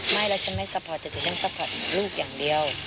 ไม่แล้วฉันไม่สะพอดแต่ฉันสะพอดลูกอย่างเดียว